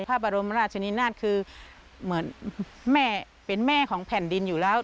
พระบรมราชนินาศคือเหมือนแม่เป็นแม่ของแผ่นดินอยู่แล้ว